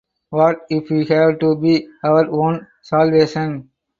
What if we have to be our own salvation?